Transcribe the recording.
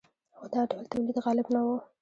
خو دا ډول تولید غالب نه و.